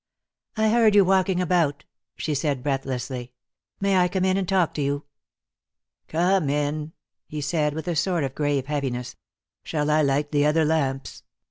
"I heard you walking about," she said breathlessly. "May I come in and talk to you?" "Come in," he said, with a sort of grave heaviness. "Shall I light the other lamps?"